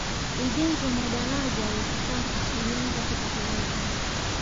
ujenzi wa madaraja ya kisasa ulianza kutekelezwa